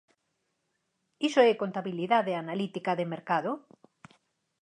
¿Iso é contabilidade analítica de mercado?